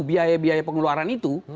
biaya biaya pengeluaran itu